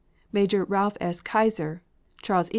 Major Ralph S. Keyser; Charles E.